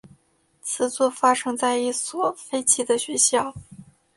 此作发生在一所废弃的学校。